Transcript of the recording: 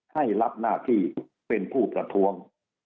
ให้รับหน้าที่เป็นผู้ประท้วง